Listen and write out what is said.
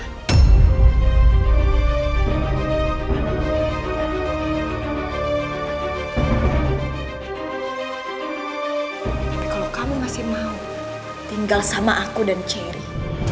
tapi kalau kamu masih mau tinggal sama aku dan cherry